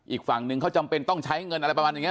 อีกฝั่งหนึ่งเขาจำเป็นต้องใช้เงินอะไรประมาณอย่างนี้